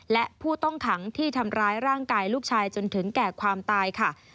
และผู้ต้องขังที่ทำร้ายร่างกายลูกชายจนถึงแก่ความตายค่ะ